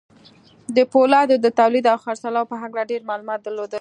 د پولادو د توليد او خرڅلاو په هکله ډېر معلومات درلودل.